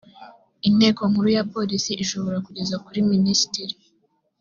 inteko nkuru ya polisi ishobora kugeza kuri minisitiri